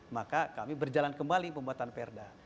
maka kami berjalan kembali pembuatan perda